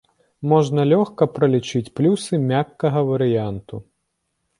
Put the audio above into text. Можна лёгка пралічыць плюсы мяккага варыянту.